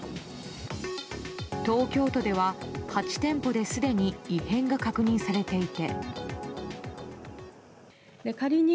東京都では８店舗ですでに異変が確認されていて。